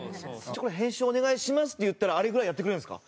「これ編集お願いします」って言ったらあれぐらいやってくれるんですか？